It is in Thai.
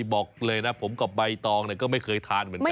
บอกเลยนะผมกับใบตองก็ไม่เคยทานเหมือนกัน